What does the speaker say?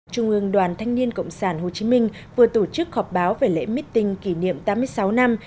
trung ương đoàn thanh niên cộng sản hồ chí minh vừa tổ chức họp báo về lễ meeting kỷ niệm tám mươi sáu năm